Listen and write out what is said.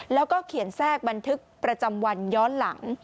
แล้วก็เขียนแทรกบันทึกประจำวันย้อนหลัง